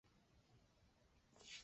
王熙凤是王子胜的女儿。